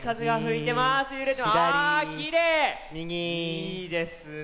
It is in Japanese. いいですね！